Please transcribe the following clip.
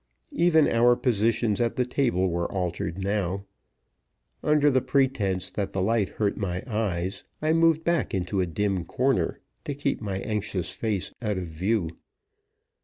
Even our positions at the table were altered now. Under the pretense that the light hurt my eyes, I moved back into a dim corner, to keep my anxious face out of view.